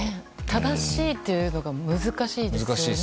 正しいというのが難しいですよね。